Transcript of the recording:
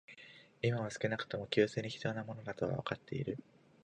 今は少なくとも、給水に必要なものだとはわかっている